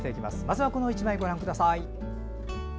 まずはこの１枚ご覧ください。